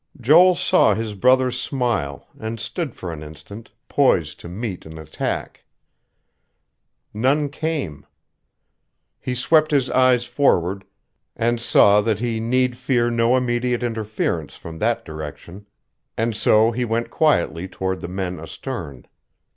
Joel saw his brother smile, and stood for an instant, poised to meet an attack. None came. He swept his eyes forward and saw that he need fear no immediate interference from that direction; and so he went quietly toward the men astern.